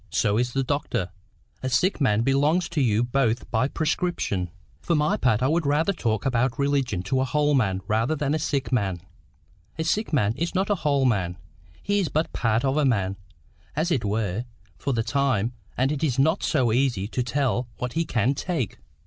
So is the doctor. A sick man belongs to you both by prescription." "For my part I would rather talk about religion to a whole man than a sick man. A sick man is not a WHOLE man. He is but part of a man, as it were, for the time, and it is not so easy to tell what he can take."